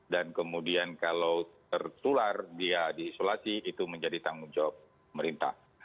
dan kemudian kalau tertular dia di isolasi itu menjadi tanggung jawab pemerintah